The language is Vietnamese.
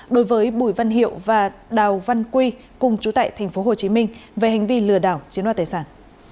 đối với bùi văn hiệu và đào văn quy cùng chú tại tp hcm về hành vi lừa đảo chiếm đoạt tài sản